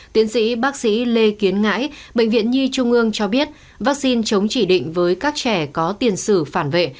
tiến sĩ bác sĩ lê kiến ngãi bệnh viện nhi trung ương cho biết vaccine chống chỉ định với các trẻ có tiền sử phản vệ